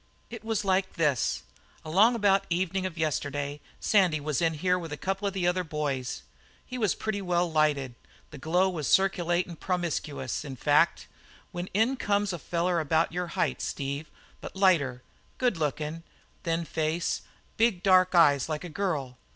"It was like this. Along about evening of yesterday Sandy was in here with a couple of other boys. He was pretty well lighted the glow was circulatin' promiscuous, in fact when in comes a feller about your height, Steve, but lighter. Goodlookin', thin face, big dark eyes like a girl.